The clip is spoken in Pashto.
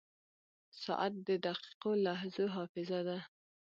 • ساعت د دقیقو لحظو حافظه ده.